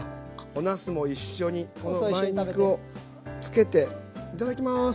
おなすも一緒にこの梅肉をつけていただきます！